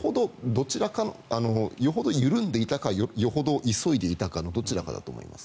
よほど緩んでいたかよほど急いでいたかのどちらかだと思います。